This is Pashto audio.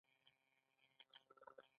له يوې داسې بلا سره ځان ښکېل کړي.